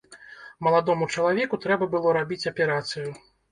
Маладому чалавеку трэба было рабіць аперацыю.